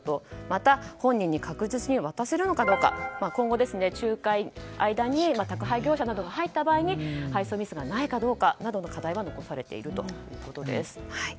また、本人に確実に渡せるのかどうかということ今後、間に宅配業者などが入った場合に配送ミスがないかどうかなどの課題が残されているということです。